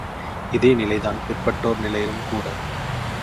இதே நிலைதான் பிற்பட்டோர் நிலையிலும் கூட!